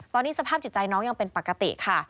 ตอนนี้สภาพจิตใจน้องยังเป็นปกติค่ะ